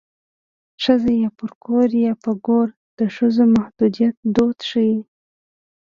ښځه یا پر کور یا په ګور د ښځو د محدودیت دود ښيي